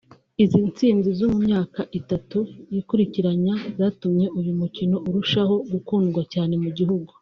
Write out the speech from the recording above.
Izi ntsinzi zo mu myaka itatu yikurikiranya zatumye uyu mukino urushaho gukundwa cyane mu gihugu